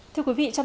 thưa quý vị